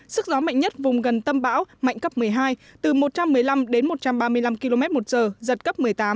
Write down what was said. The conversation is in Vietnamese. sức gió mạnh nhất vùng gần tâm bão mạnh cấp một mươi hai từ một trăm một mươi năm đến một trăm ba mươi năm km một giờ giật cấp một mươi tám